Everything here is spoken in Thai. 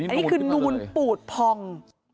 อันนี้คือนูนปูดพอง